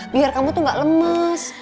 biar kamu tuh gak lemes